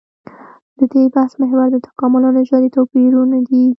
د دې بحث محور د تکامل او نژادي توپيرونه دي.